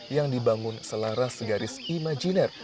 yang dibangun selaras garis imajiner